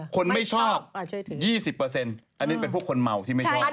คนไม่ชอบ๒๐เปอร์เซ็นต์อันนี้เป็นพวกคนเหมาที่ไม่ชอบ